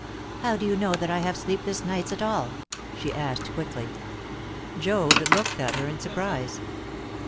"How do you know that I have sleepless nights at all?" she asked quickly. Joad looked at her in surprise.